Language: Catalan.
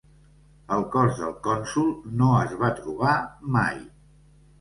El cos del cònsol no es va trobar mai.